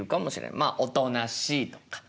まあおとなしいとか。